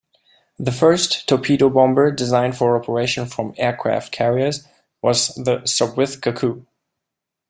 The first torpedo bomber designed for operation from aircraft carriers was the Sopwith Cuckoo.